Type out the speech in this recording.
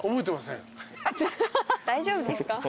大丈夫ですか？